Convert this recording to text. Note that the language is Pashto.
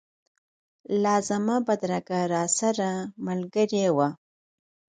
لازمه بدرګه راسره ملګرې وه.